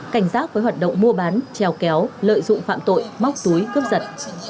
cảnh giác với hoạt động mua bán treo kéo lợi dụng phạm tội móc túi cướp giật